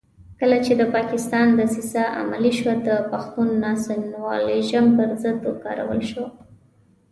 کله چې د پاکستان دسیسه عملي شوه د پښتون ناسیونالېزم پر ضد وکارول شو.